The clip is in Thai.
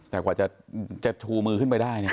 แต่กว่าจะชูมือขึ้นไปได้เนี่ย